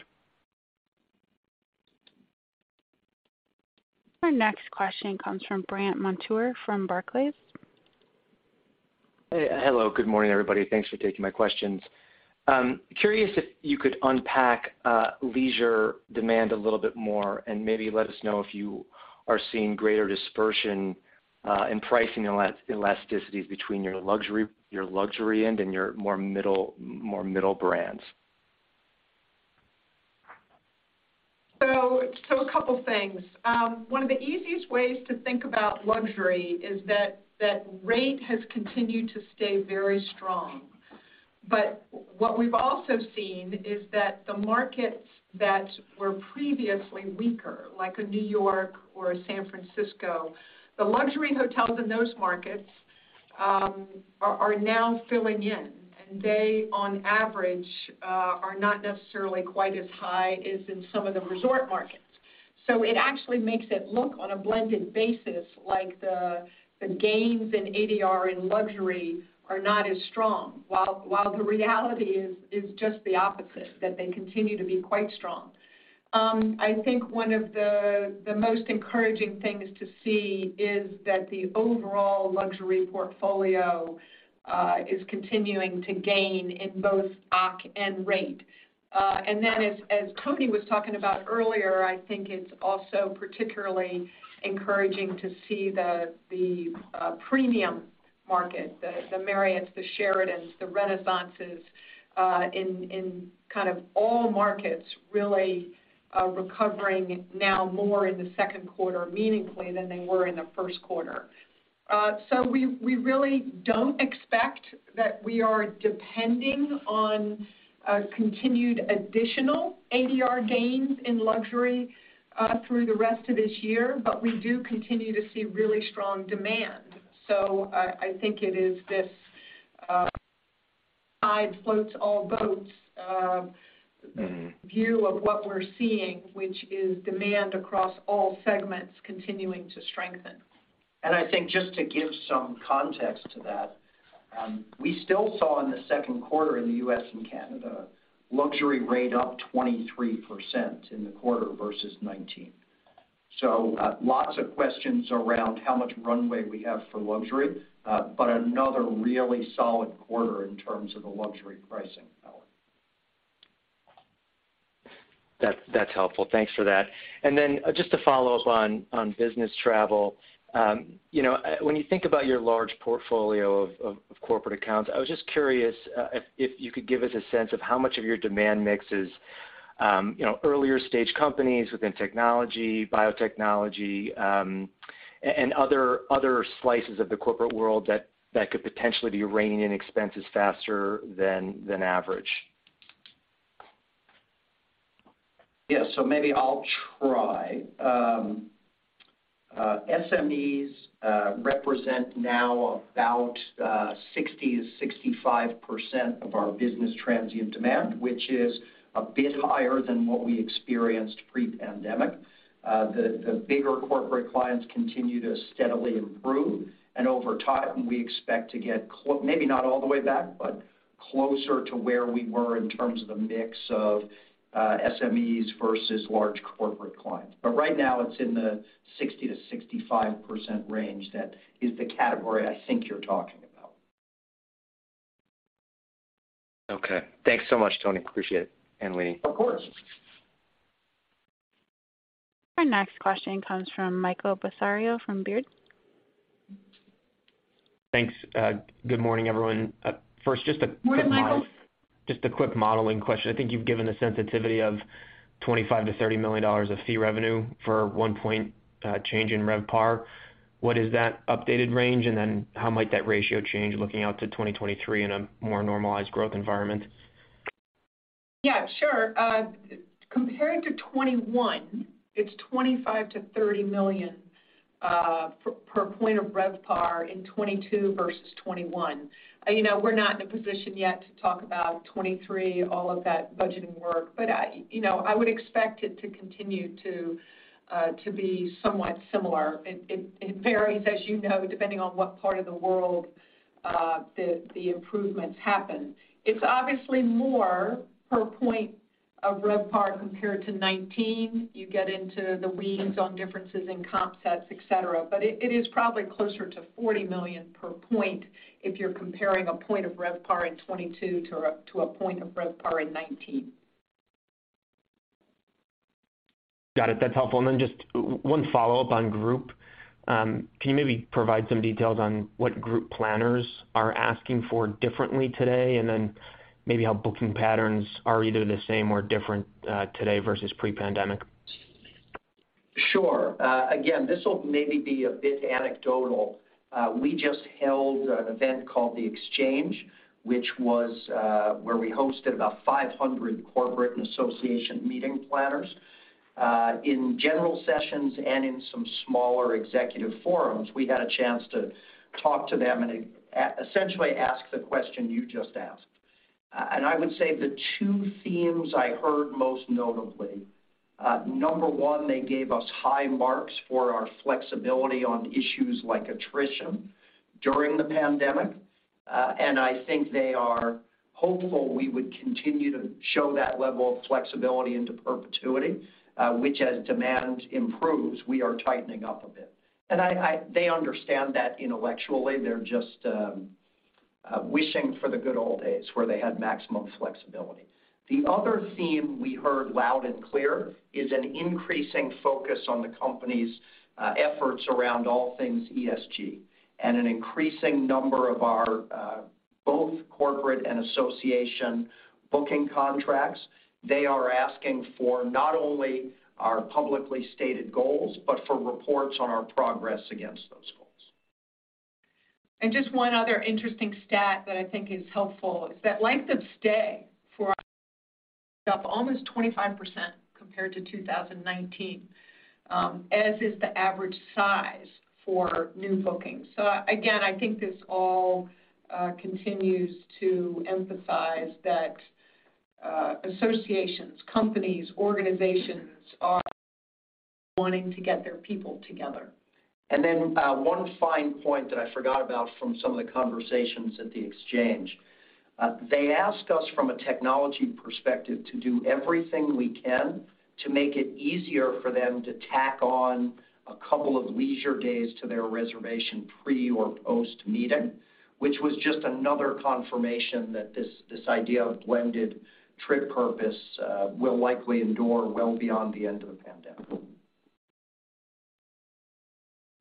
Our next question comes from Brandt Montour from Barclays. Hello. Good morning, everybody. Thanks for taking my questions. Curious if you could unpack leisure demand a little bit more and maybe let us know if you are seeing greater dispersion in pricing elasticities between your luxury end and your more middle brands. A couple things. One of the easiest ways to think about luxury is that rate has continued to stay very strong. What we've also seen is that the markets that were previously weaker, like New York or San Francisco, the luxury hotels in those markets are now filling in, and they, on average, are not necessarily quite as high as in some of the resort markets. It actually makes it look on a blended basis like the gains in ADR and luxury are not as strong, while the reality is just the opposite, that they continue to be quite strong. I think one of the most encouraging things to see is that the overall luxury portfolio is continuing to gain in both OCC and rate. As Tony was talking about earlier, I think it's also particularly encouraging to see the premium market, the Marriotts, the Sheratons, the Renaissances, in kind of all markets really, recovering now more in the second quarter meaningfully than they were in the first quarter. We really don't expect that we are depending on continued additional ADR gains in luxury through the rest of this year, but we do continue to see really strong demand. I think it is this tide floats all boats view of what we're seeing, which is demand across all segments continuing to strengthen. I think just to give some context to that, we still saw in the second quarter in the U.S. and Canada luxury rate up 23% in the quarter versus 19%. Lots of questions around how much runway we have for luxury, but another really solid quarter in terms of the luxury pricing, Alan. That's helpful. Thanks for that. Then just to follow up on business travel, you know, when you think about your large portfolio of corporate accounts, I was just curious if you could give us a sense of how much of your demand mix is, you know, earlier stage companies within technology, biotechnology, and other slices of the corporate world that could potentially be reining in expenses faster than average. Yes. Maybe I'll try. SMEs represent now about 60%-65% of our business transient demand, which is a bit higher than what we experienced pre-pandemic. The bigger corporate clients continue to steadily improve. Over time, we expect to get maybe not all the way back, but closer to where we were in terms of the mix of SMEs versus large corporate clients. Right now, it's in the 60%-65% range that is the category I think you're talking about. Okay. Thanks so much, Tony. Appreciate it. Leeny. Of course. Our next question comes from Michael Bellisario from Baird. Thanks. Good morning, everyone. First, just a quick model- Morning, Michael. Just a quick modeling question. I think you've given the sensitivity of $25 million-$30 million of fee revenue for 1-point change in RevPAR. What is that updated range? How might that ratio change looking out to 2023 in a more normalized growth environment? Yeah, sure. Compared to 2021, it's $25 million-$30 million per point of RevPAR in 2022 versus 2021. You know, we're not in a position yet to talk about 2023, all of that budgeting work. I would expect it to continue to be somewhat similar. It varies, as you know, depending on what part of the world the improvements happen. It's obviously more per point of RevPAR compared to 2019. You get into the weeds on differences in comp sets, et cetera. It is probably closer to $40 million per point if you're comparing a point of RevPAR in 2022 to a point of RevPAR in 2019. Got it. That's helpful. Just one follow-up on group. Can you maybe provide some details on what group planners are asking for differently today? Maybe how booking patterns are either the same or different today versus pre-pandemic. Sure. Again, this will maybe be a bit anecdotal. We just held an event called The Exchange, which was where we hosted about 500 corporate and association meeting planners. In general sessions and in some smaller executive forums, we had a chance to talk to them and essentially ask the question you just asked. I would say the two themes I heard most notably, number one, they gave us high marks for our flexibility on issues like attrition during the pandemic. I think they are hopeful we would continue to show that level of flexibility into perpetuity, which as demand improves, we are tightening up a bit. They understand that intellectually. They're just wishing for the good old days where they had maximum flexibility. The other theme we heard loud and clear is an increasing focus on the company's efforts around all things ESG. An increasing number of our both corporate and association booking contracts, they are asking for not only our publicly stated goals, but for reports on our progress against those goals. Just one other interesting stat that I think is helpful is that length of stay for our up almost 25% compared to 2019, as is the average size for new bookings. Again, I think this all continues to emphasize that associations, companies, organizations are wanting to get their people together. One fine point that I forgot about from some of the conversations at The Exchange. They asked us from a technology perspective to do everything we can to make it easier for them to tack on a couple of leisure days to their reservation pre or post-meeting, which was just another confirmation that this idea of blended trip purpose will likely endure well beyond the end of the pandemic.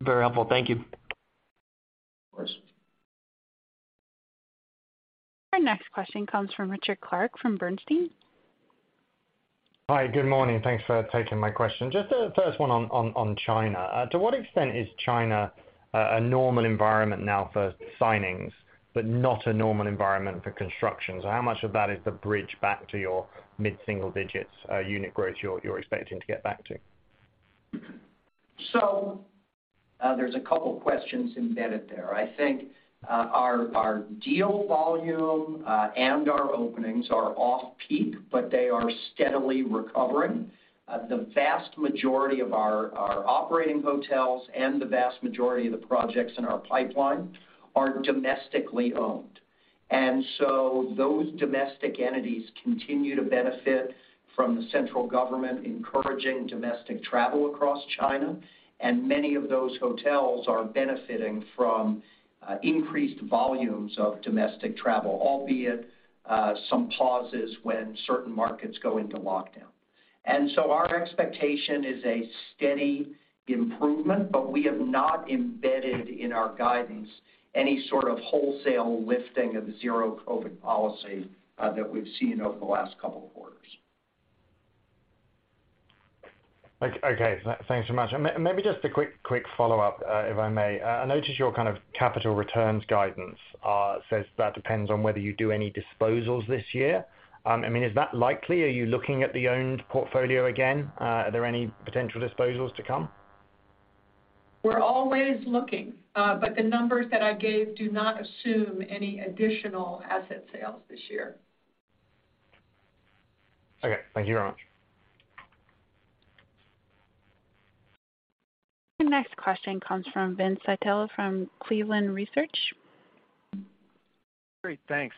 Very helpful. Thank you. Of course. Our next question comes from Richard Clarke from Bernstein. Hi. Good morning. Thanks for taking my question. Just first one on China. To what extent is China a normal environment now for signings, but not a normal environment for construction? How much of that is the bridge back to your mid-single digits unit growth you're expecting to get back to? There's a couple questions embedded there. I think, our deal volume and our openings are off-peak, but they are steadily recovering. The vast majority of our operating hotels and the vast majority of the projects in our pipeline are domestically owned. Those domestic entities continue to benefit from the central government encouraging domestic travel across China, and many of those hotels are benefiting from increased volumes of domestic travel, albeit some pauses when certain markets go into lockdown. Our expectation is a steady improvement, but we have not embedded in our guidance any sort of wholesale lifting of the Zero-COVID policy that we've seen over the last couple of quarters. Okay. Thanks so much. Maybe just a quick follow-up, if I may. I notice your kind of capital returns guidance says that depends on whether you do any disposals this year. I mean, is that likely? Are you looking at the owned portfolio again? Are there any potential disposals to come? We're always looking, but the numbers that I gave do not assume any additional asset sales this year. Okay. Thank you very much. Your next question comes from Vince Ciepiel from Cleveland Research. Great. Thanks.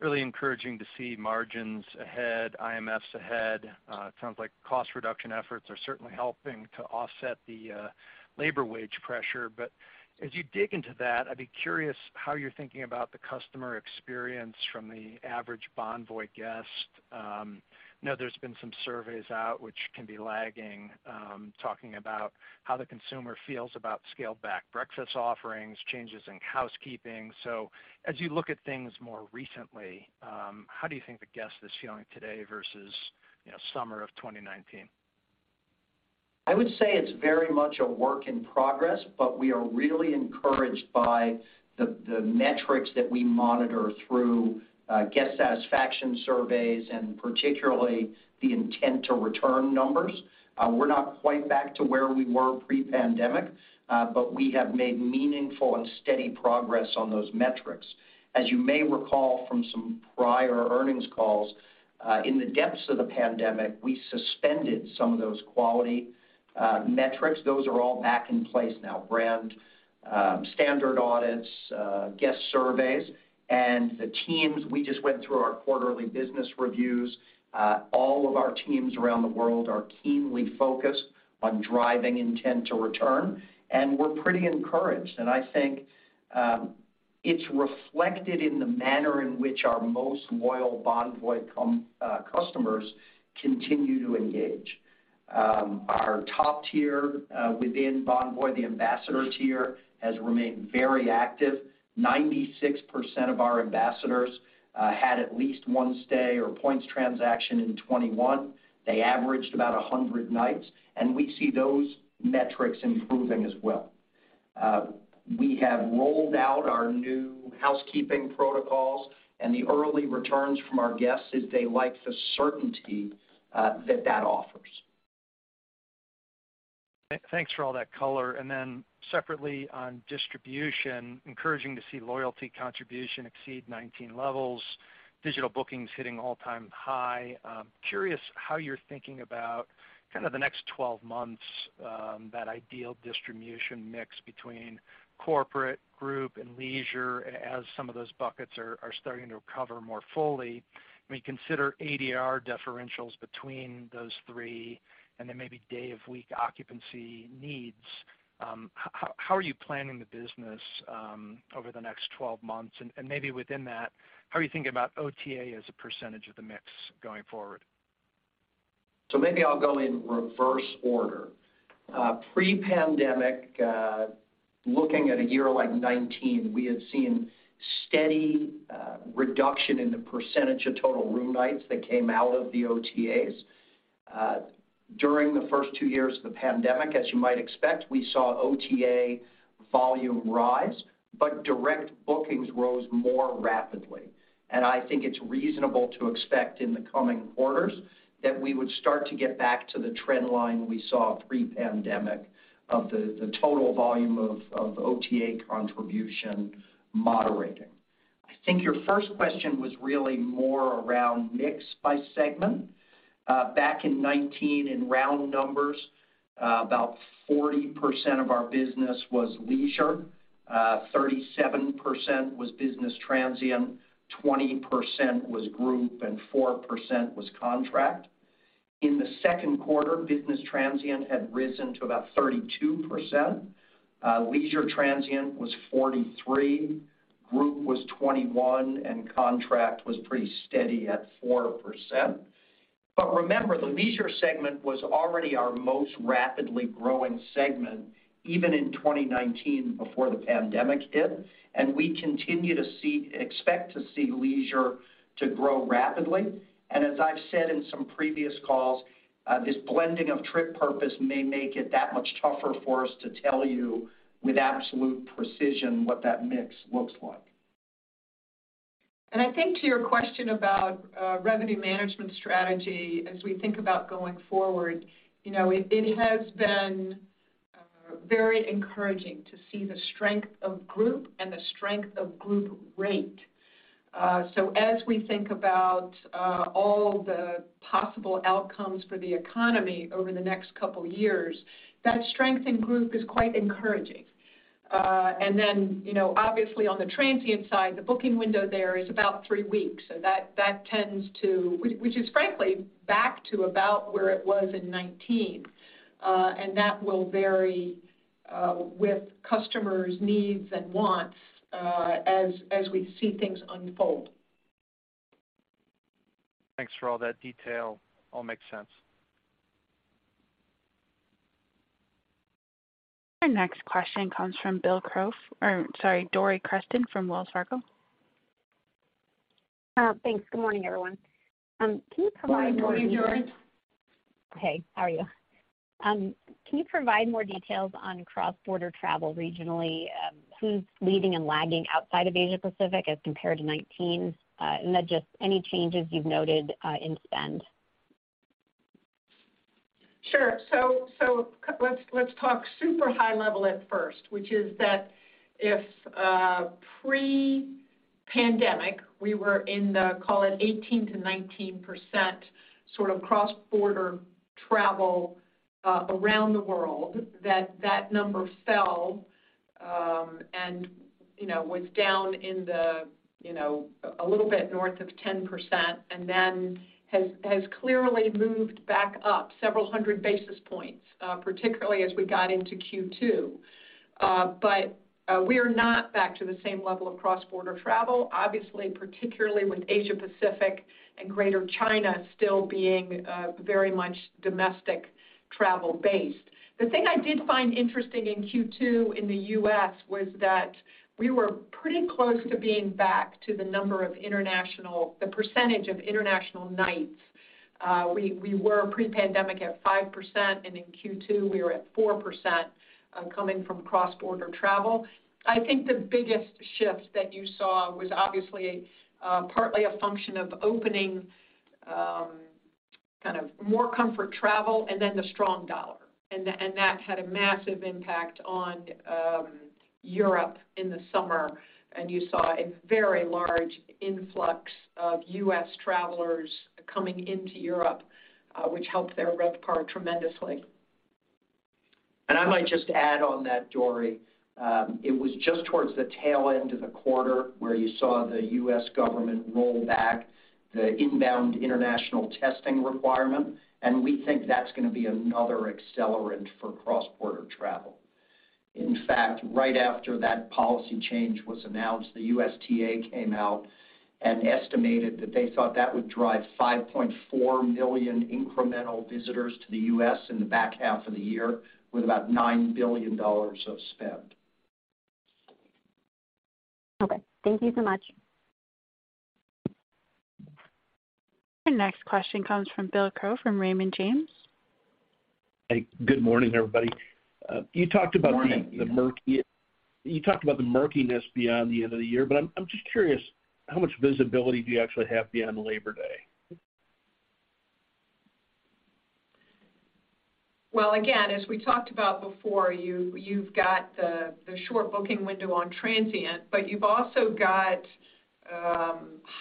Really encouraging to see margins ahead, IMFs ahead. It sounds like cost reduction efforts are certainly helping to offset the labor wage pressure. As you dig into that, I'd be curious how you're thinking about the customer experience from the average Bonvoy guest. You know there's been some surveys out which can be lagging, talking about how the consumer feels about scaled-back breakfast offerings, changes in housekeeping. As you look at things more recently, how do you think the guest is feeling today versus, you know, summer of 2019? I would say it's very much a work in progress, but we are really encouraged by the metrics that we monitor through guest satisfaction surveys and particularly the intent to return numbers. We're not quite back to where we were pre-pandemic, but we have made meaningful and steady progress on those metrics. As you may recall from some prior earnings calls, in the depths of the pandemic, we suspended some of those quality metrics. Those are all back in place now. Brand standard audits, guest surveys, and the teams, we just went through our quarterly business reviews. All of our teams around the world are keenly focused on driving intent to return, and we're pretty encouraged. I think it's reflected in the manner in which our most loyal Bonvoy customers continue to engage. Our top tier within Bonvoy, the Ambassador tier, has remained very active. 96% of our Ambassadors had at least one stay or points transaction in 2021. They averaged about 100 nights, and we see those metrics improving as well. We have rolled out our new housekeeping protocols, and the early returns from our guests is they like the certainty that that offers. Thanks for all that color. Separately on distribution, encouraging to see loyalty contribution exceed 19 levels, digital bookings hitting all-time high. Curious how you're thinking about kind of the next 12 months, that ideal distribution mix between corporate, group, and leisure as some of those buckets are starting to recover more fully. I mean, consider ADR differentials between those three and then maybe day-of-week occupancy needs. How are you planning the business over the next 12 months? Maybe within that, how are you thinking about OTA as a percentage of the mix going forward? Maybe I'll go in reverse order. Pre-pandemic, looking at a year like 2019, we had seen steady reduction in the percentage of total room nights that came out of the OTAs. During the first two years of the pandemic, as you might expect, we saw OTA volume rise, but direct bookings rose more rapidly. I think it's reasonable to expect in the coming quarters that we would start to get back to the trend line we saw pre-pandemic of the total volume of OTA contribution moderating. I think your first question was really more around mix by segment. Back in 2019, in round numbers, about 40% of our business was leisure, 37% was business transient, 20% was group, and 4% was contract. In the second quarter, business transient had risen to about 32%. Leisure transient was 43, group was 21, and contract was pretty steady at 4%. Remember, the leisure segment was already our most rapidly growing segment, even in 2019 before the pandemic hit, and we continue to expect to see leisure to grow rapidly. As I've said in some previous calls, this blending of trip purpose may make it that much tougher for us to tell you with absolute precision what that mix looks like. I think to your question about revenue management strategy as we think about going forward, you know, it has been very encouraging to see the strength of group and the strength of group rate. As we think about all the possible outcomes for the economy over the next couple years, that strength in group is quite encouraging. Then, you know, obviously on the transient side, the booking window there is about three weeks, which is frankly back to about where it was in 2019. That will vary with customers' needs and wants as we see things unfold. Thanks for all that detail. All makes sense. Our next question comes from Bill Crow, or sorry, Dori Krewson from Wells Fargo. Thanks. Good morning, everyone. Can you provide more details? Good morning, Dori. Hey, how are you? Can you provide more details on cross-border travel regionally? Who's leading and lagging outside of Asia Pacific as compared to 2019, and then just any changes you've noted, in spend? Sure. Let's talk super high level at first, which is that if pre-pandemic, we were in the call it 18%-19% sort of cross-border travel around the world, that number fell, and you know was down in the you know a little bit north of 10%, and then has clearly moved back up several hundred basis points, particularly as we got into Q2. But we are not back to the same level of cross-border travel, obviously, particularly with Asia-Pacific and Greater China still being very much domestic travel-based. The thing I did find interesting in Q2 in the U.S. was that we were pretty close to being back to the number of international, the percentage of international nights. We were pre-pandemic at 5%, and in Q2 we were at 4%, coming from cross-border travel. I think the biggest shift that you saw was obviously partly a function of opening kind of more leisure travel and then the strong dollar, and that had a massive impact on Europe in the summer, and you saw a very large influx of U.S. travelers coming into Europe, which helped their RevPAR tremendously. I might just add on that, Dori, it was just towards the tail end of the quarter where you saw the U.S. government roll back the inbound international testing requirement, and we think that's gonna be another accelerant for cross-border travel. In fact, right after that policy change was announced, the USTA came out and estimated that they thought that would drive 5.4 million incremental visitors to the U.S. in the back half of the year with about $9 billion of spend. Okay. Thank you so much. Our next question comes from Bill Crow from Raymond James. Hey, good morning, everybody. You talked about the- Good morning. You talked about the murkiness beyond the end of the year, but I'm just curious, how much visibility do you actually have beyond Labor Day? Well, again, as we talked about before, you've got the short booking window on transient, but you've also got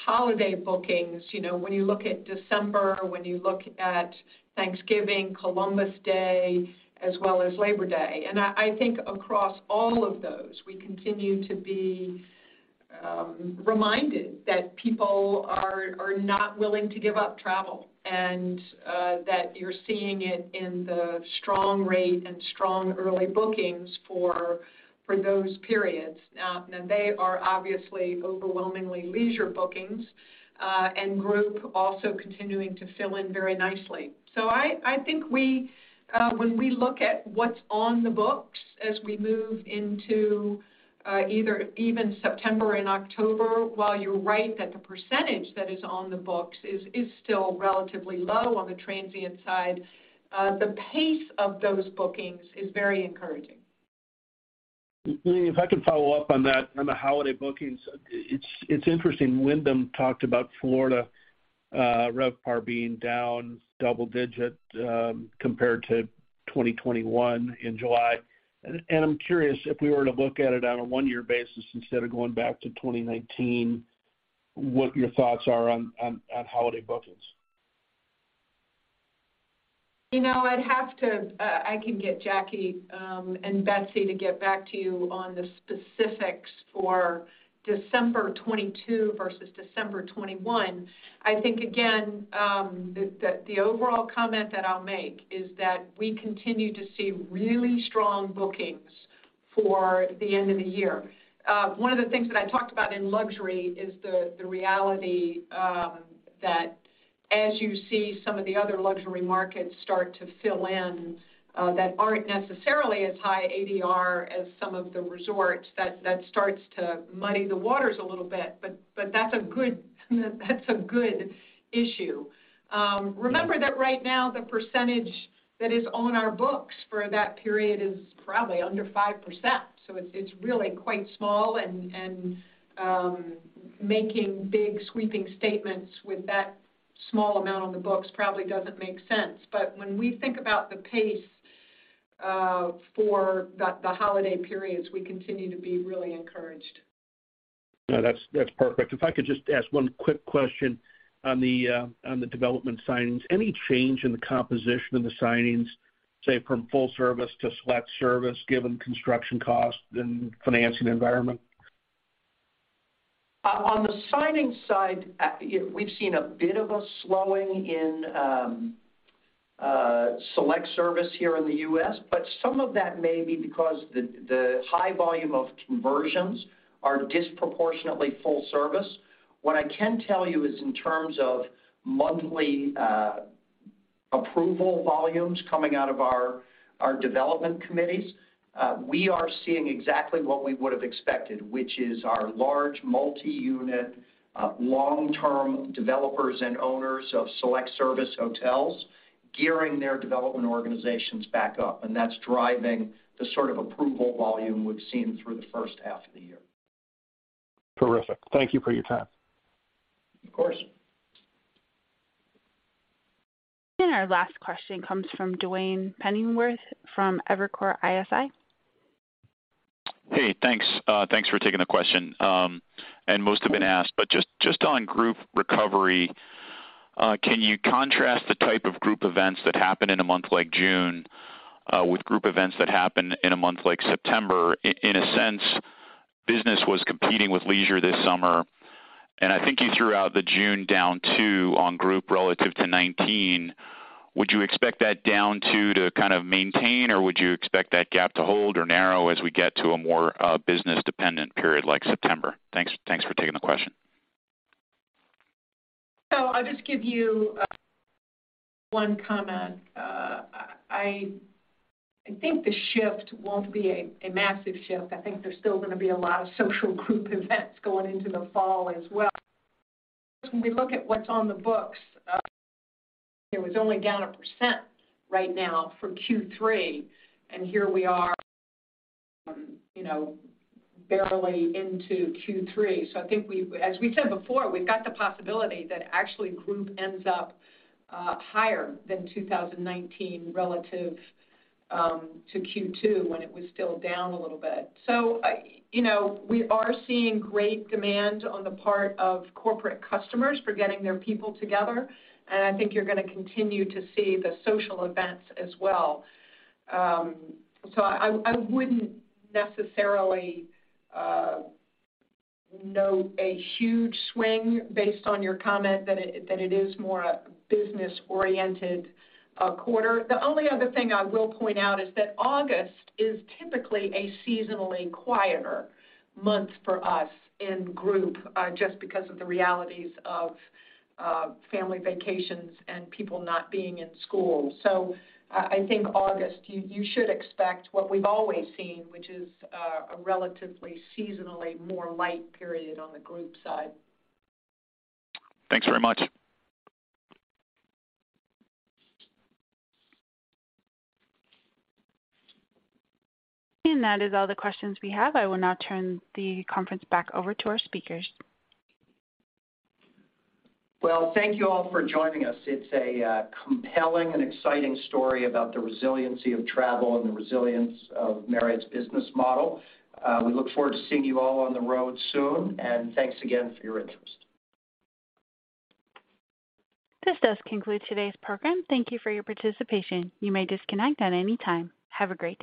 holiday bookings, you know, when you look at December, when you look at Thanksgiving, Columbus Day, as well as Labor Day. I think across all of those, we continue to be reminded that people are not willing to give up travel, and that you're seeing it in the strong rate and strong early bookings for those periods. They are obviously overwhelmingly leisure bookings, and group also continuing to fill in very nicely. I think, when we look at what's on the books as we move into either, even September and October, while you're right that the percentage that is on the books is still relatively low on the transient side, the pace of those bookings is very encouraging. Leeny Oberg, if I could follow up on that, on the holiday bookings, it's interesting Wyndham talked about Florida, RevPAR being down double digit, compared to 2021 in July. I'm curious if we were to look at it on a one-year basis instead of going back to 2019, what your thoughts are on holiday bookings. You know, I'd have to. I can get Jackie and Betsy to get back to you on the specifics for December 2022 versus December 2021. I think, again, the overall comment that I'll make is that we continue to see really strong bookings for the end of the year. One of the things that I talked about in luxury is the reality that as you see some of the other luxury markets start to fill in, that aren't necessarily as high ADR as some of the resorts, that starts to muddy the waters a little bit, but that's a good issue. Remember that right now the percentage that is on our books for that period is probably under 5%, so it's really quite small and making big sweeping statements with that small amount on the books probably doesn't make sense. When we think about the pace for the holiday periods, we continue to be really encouraged. No, that's perfect. If I could just ask one quick question on the development signings. Any change in the composition of the signings, say, from full service to select service given construction costs and financing environment? On the signing side, you know, we've seen a bit of a slowing in select service here in the U.S., but some of that may be because the high volume of conversions are disproportionately full service. What I can tell you is in terms of monthly approval volumes coming out of our development committees, we are seeing exactly what we would have expected, which is our large multi-unit long-term developers and owners of select service hotels gearing their development organizations back up, and that's driving the sort of approval volume we've seen through the first half of the year. Terrific. Thank you for your time. Of course. Our last question comes from Duane Pfennigwerth from Evercore ISI. Hey, thanks. Thanks for taking the question. Most have been asked, but just on group recovery, can you contrast the type of group events that happen in a month like June with group events that happen in a month like September? In a sense, business was competing with leisure this summer. I think you threw out the June down 2% on group relative to 2019. Would you expect that down 2% to kind of maintain, or would you expect that gap to hold or narrow as we get to a more business-dependent period like September? Thanks for taking the question. I'll just give you one comment. I think the shift won't be a massive shift. I think there's still gonna be a lot of social group events going into the fall as well. When we look at what's on the books, it was only down 1% right now for Q3, and here we are, you know, barely into Q3. I think, as we said before, we've got the possibility that actually group ends up higher than 2019 relative to Q2 when it was still down a little bit. You know, we are seeing great demand on the part of corporate customers for getting their people together, and I think you're gonna continue to see the social events as well. I wouldn't necessarily note a huge swing based on your comment that it is more a business-oriented quarter. The only other thing I will point out is that August is typically a seasonally quieter month for us in group just because of the realities of family vacations and people not being in school. I think August, you should expect what we've always seen, which is a relatively seasonally more light period on the group side. Thanks very much. That is all the questions we have. I will now turn the conference back over to our speakers. Well, thank you all for joining us. It's a compelling and exciting story about the resiliency of travel and the resilience of Marriott's business model. We look forward to seeing you all on the road soon, and thanks again for your interest. This does conclude today's program. Thank you for your participation. You may disconnect at any time. Have a great day.